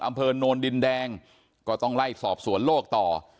อำเภอโนนดินแดงก็ต้องไล่สอบสวนโลกต่อ